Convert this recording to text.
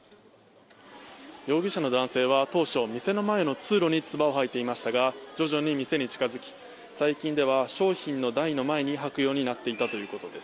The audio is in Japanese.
容疑者の男性は当初店の前の通路につばを吐いていましたが徐々に店に近づき、最近では商品の台の前に吐くようになっていたということです。